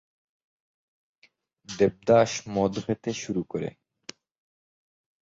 দেবদাস মদ খেতে শুরু করে।